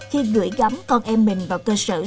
khi gửi gắm con em mình vào cơ sở số ba này